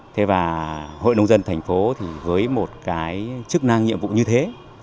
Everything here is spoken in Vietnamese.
thế và hội nông dân thành phố với một chức năng nhiệm vụ như thế